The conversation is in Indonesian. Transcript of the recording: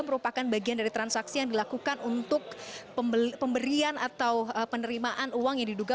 merupakan bagian dari transaksi yang dilakukan untuk pemberian atau penerimaan uang yang diduga